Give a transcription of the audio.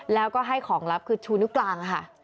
แล้วก็ให้ของลับคือชูนิ้วกลางค่ะ